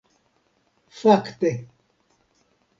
Fakte.